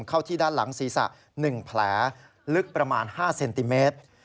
เข้าที่ด้านหลังศีรษะ๑แผลลึกประมาณ๕เซนติเมตร